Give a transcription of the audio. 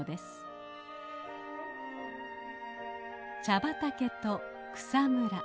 茶畑と草むら。